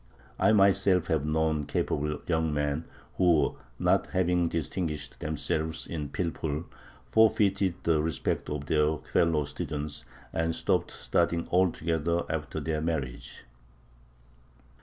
I myself have known capable young men who, not having distinguished themselves in pilpul, forfeited the respect of their fellow students, and stopped studying altogether after their marriage.